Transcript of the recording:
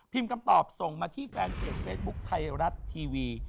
พิมพ์คำตอบส่งมาที่แฟนเกียร์เฟซบุ๊คไทยรัฐทีวี